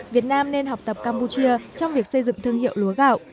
việt nam nên học tập campuchia trong việc xây dựng thương hiệu lúa gạo